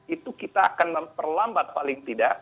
itu kita akan memperlambat paling tidak